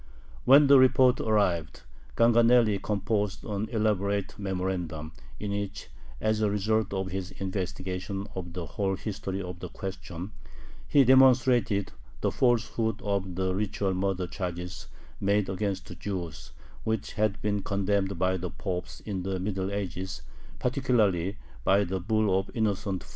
When the report arrived, Ganganelli composed an elaborate memorandum, in which, as a result of his investigation of the whole history of the question, he demonstrated the falsehood of the ritual murder charges made against the Jews, which had been condemned by the popes in the Middle Ages, particularly by the bull of Innocent IV.